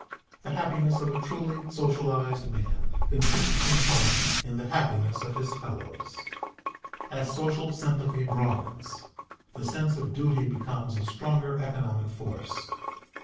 The happiness of a truly socialized man consists in part in the happiness of his fellows. As social sympathy broadens, the sense of duty becomes a stronger economic force.